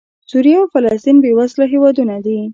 سوریه او فلسطین بېوزله هېوادونه دي.